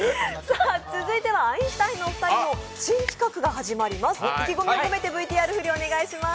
続いてはアインシュタインのお二人の新企画が始まります。